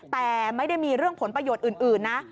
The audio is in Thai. แต่ไม่ได้มีเรื่องผลประโยชน์อื่นนะ